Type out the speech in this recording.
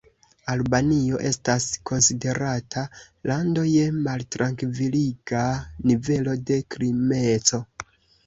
Albanio estas konsiderata lando je maltrankviliga nivelo de krimeco.